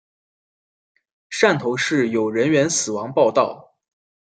汕头市有人员死亡报导。